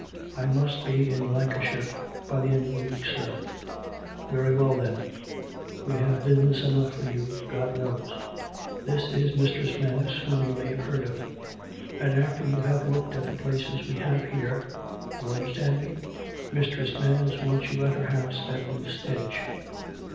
" I must be in Lancashire by the end of the week, sir." " Very well, then. We have business enough for you, God knows! This is Mistress Manners, whom you may have heard of. And after you have looked at the places we have here — you understand me? — Mistress Manners wants you at her house at Booth's Edge.